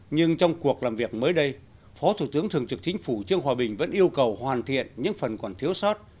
nhưng trong cuộc làm việc mới đây phó thủ tướng thường trực chính phủ trương hòa bình vẫn yêu cầu hoàn thiện những phần còn thiếu sót